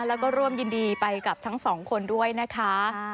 แล้วก็ร่วมยินดีไปกับทั้งสองคนด้วยนะคะ